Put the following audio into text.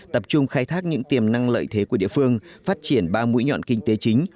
tập trung khai thác những tiềm năng lợi thế của địa phương phát triển ba mũi nhọn kinh tế chính